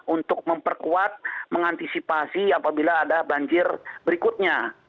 untuk memperkuat mengantisipasi apabila ada banjir berikutnya